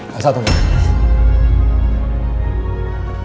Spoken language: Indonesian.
kasih tau nggak